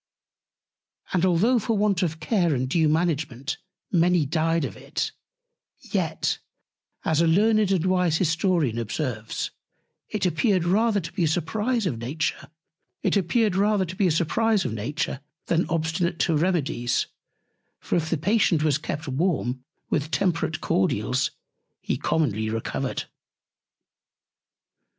And though for want of Care and due Management many died of it; yet, as a learned and wise Historian observes, _It appeared rather to be a surprize of Nature than obstinate to Remedies, for if the Patient was kept warm with temperate Cordials, he commonly recovered_.